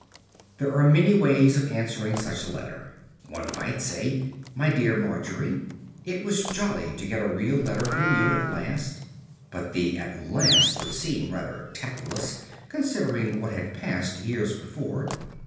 There are many ways of answering such a letter. One might say, "MY DEAR MARGERY, It was jolly to get a real letter from you at last " but the "at last" would seem rather tactless considering what had passed years before.